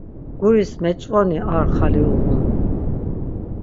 Guris meç̌voni ar xali uğun.